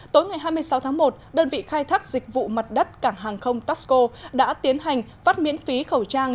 tối ngày hai mươi sáu tháng một đơn vị khai thác dịch vụ mặt đất cảng hàng không taxco đã tiến hành phát miễn phí khẩu trang